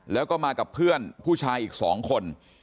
แล้วก็มากับเพื่อนผู้ชายอีก๒คน